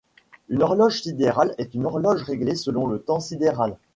Une horloge sidérale est une horloge réglée selon le temps sidéral.